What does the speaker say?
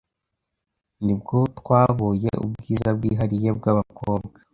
nibwo twaboye ubwiza bwihariye bw’abakobwa